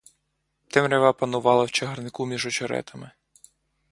Темрява панувала в чагарнику та між очеретами.